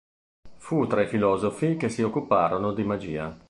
Fu tra i filosofi che si occuparono di magia.